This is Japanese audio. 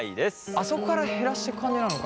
あそこから減らしてく感じなのか。